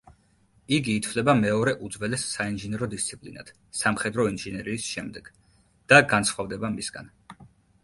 იგი ითვლება მეორე უძველეს საინჟინრო დისციპლინად სამხედრო ინჟინერიის შემდეგ, და განსხვავდება მისგან.